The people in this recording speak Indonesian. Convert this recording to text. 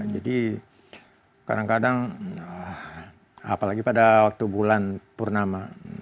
jadi kadang kadang apalagi pada waktu bulan purnama